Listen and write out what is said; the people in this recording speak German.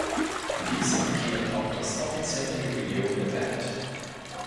Dies markiert auch das offizielle Jubiläum der Band.